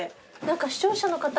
視聴者の方にも。